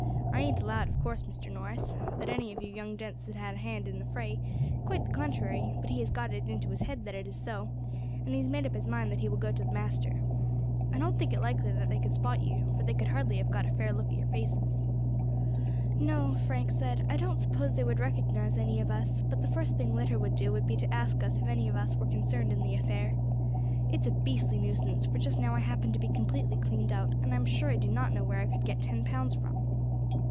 I ain't allowed of course, Mr. Norris, that any of you young gents had a hand in the fray, quite the contrary; but he has got it into his head that it is so, and he has made up his mind that he will go to the master. I don't think it likely that they could spot you, for they could hardly have got a fair look at your faces." "No," Frank said, "I don't suppose they would recognise any of us; but the first thing Litter would do would be to ask us if any of us were concerned in the affair. It's a beastly nuisance, for just now I happen to be completely cleaned out, and I am sure I do not know where I could get ten pounds from."